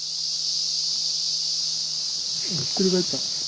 ひっくり返った。